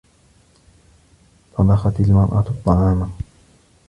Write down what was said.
طَبَخْتْ الْمَرْأَةُ الطَّعَامَ.